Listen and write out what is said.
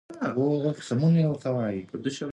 او پښه يې ماته شوه ،خدمت لپاره يې هېڅوک نه وو.